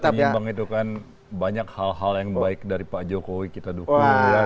karena penyeimbang itu kan banyak hal hal yang baik dari pak jokowi kita dukung